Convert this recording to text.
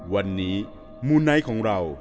วันนี้มูไนท์ของเรา